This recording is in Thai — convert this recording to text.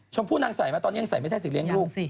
ชมพู่นางใส่ไหมตอนนี้ยังใส่ไม่ได้สิเลี้ยงลูกสิ